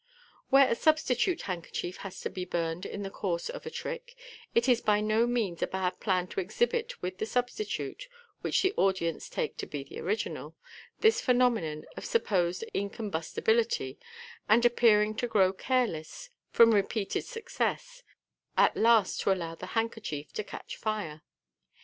Where a substitute handkerchief has to be burnt in the course of t trick, it is by no means a bad plan to exhibit with the substitute (which the audience take to be the original) this phenomenon of sup posed incombustibility, and appearing to grow careless from repeated success, at last to allow the handkerchief to catch fire.